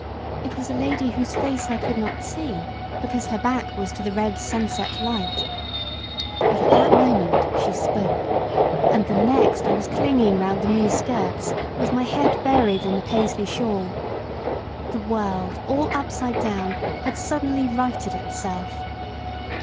It was a lady whose face I could not see, because her back was to the red sunset light; but at that moment she spoke, and the next I was clinging round the moue skirts with my bead buried in the Paisley shawl. The world, all upside down, had suddenly righted itself.